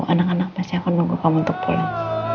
anak anak masih akan nunggu kamu untuk pulang